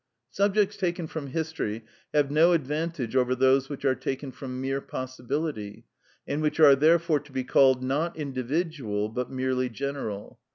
Subjects taken from history have no advantage over those which are taken from mere possibility, and which are therefore to be called, not individual, but merely general.